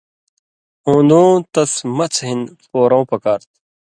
ہُون٘دُوں تس مڅھہۡ ہِن پورؤں پکار تُھو